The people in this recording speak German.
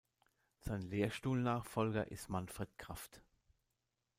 Sein Lehrstuhl-Nachfolger ist Manfred Krafft.